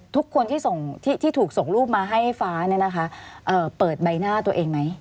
ทุกคนที่ถูกส่งรูปมาให้ฟ้าเปิดใบหน้าตัวเองไหม